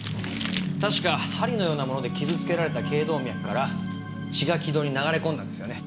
確か針のようなもので傷つけられた頸動脈から血が気道に流れ込んだんですよね。